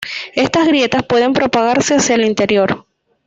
Estas grietas pueden propagarse hacia el interior.